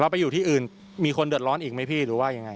ไปอยู่ที่อื่นมีคนเดือดร้อนอีกไหมพี่หรือว่ายังไง